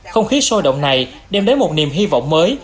không khí sôi động này đem đến một niềm hy vọng mới